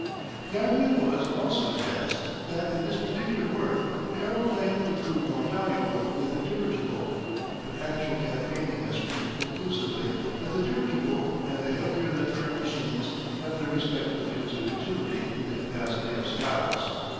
The argument was also advanced that, in this particular work, the aeroplane would prove more valuable than the dirigible, but actual campaigning has proved conclusively that the dirigible and the heavier than air machines have their respective fields of utility in the capacity of scouts.